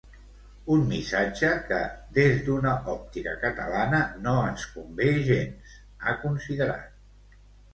Un missatge que "des d'una òptica catalana no ens convé gens", ha considerat.